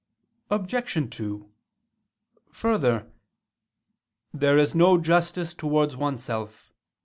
Obj. 2: Further, "there is no justice towards oneself